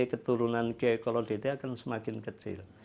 keturunan kiaikolo dt akan semakin kecil